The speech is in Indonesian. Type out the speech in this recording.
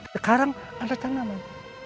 sekarang ada tanaman